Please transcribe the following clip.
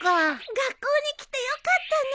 学校に来てよかったね。